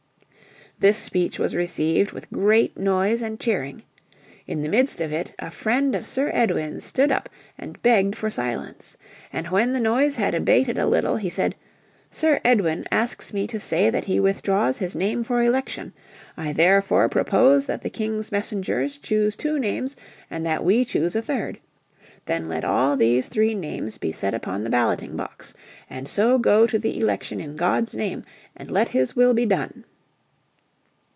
This speech was received with great noise and cheering. In the midst of it a friend of Sir Edwin's stood up and begged for silence. And when the noise had abated a little he said, "Sir Edwin asks me to say that he withdraws his name for election. I therefore propose that the King's messengers choose two names and that we choose a third. Then let all these three names be set upon the balloting box. And so go to the election in God's name. And let His will be done."